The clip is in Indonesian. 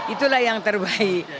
itulah yang terbaik